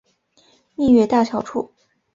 蜜月大桥处。